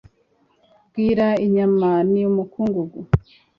Bwira inyama ni umukungugu: